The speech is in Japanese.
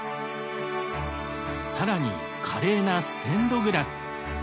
更に華麗なステンドグラス。